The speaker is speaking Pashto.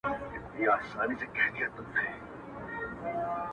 • په نړۍ کي داسي ستونزي پیدا کېږي,